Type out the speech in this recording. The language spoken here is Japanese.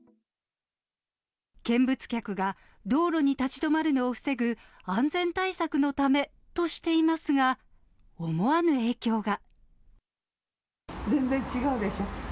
見物客が道路に立ち止まるのを防ぐ安全対策のためとしていますが、全然違うでしょ。